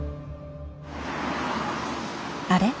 あれ？